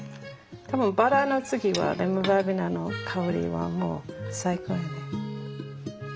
多分バラの次はレモンバーベナの香りはもう最高よね。